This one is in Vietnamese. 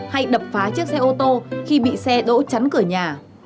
hay đập phá chiếc xe ô tô khi bị xe đỗ chắn cửa nhà